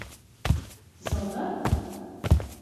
Залда?